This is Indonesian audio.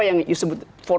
apa yang disebut empat